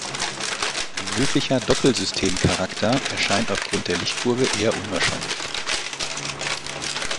Ein möglicher Doppelsystem-Charakter erscheint aufgrund der Lichtkurve eher unwahrscheinlich.